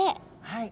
はい。